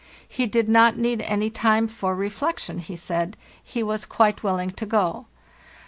He did not need any time for re flection, he said; he was quite willing to go.